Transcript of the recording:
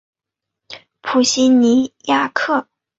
普西尼亚克。